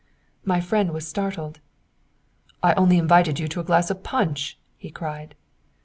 My friend was startled. "I only invited you to a glass of punch!" he cried.